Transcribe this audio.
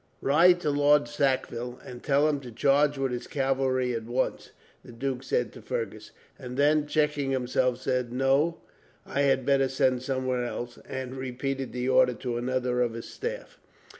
"Ride to Lord Sackville, and tell him to charge with his cavalry, at once," the duke said to Fergus; and then checking himself said, "No, I had better send someone else," and repeated the order to another of his staff.